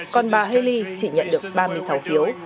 còn bà haley chỉ nhận được ba mươi sáu phiếu